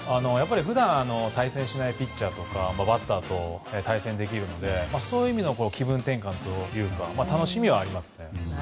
普段対戦しないピッチャーとかバッターと対戦できるのでそういう意味の気分転換と楽しみではありますね。